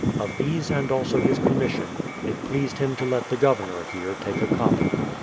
Of these and also his commission, it pleased him to let the Governor here take a copy.